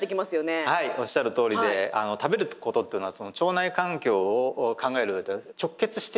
はいおっしゃるとおりで食べることっていうのはその腸内環境を考える上で直結しているんです。